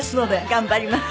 頑張ります。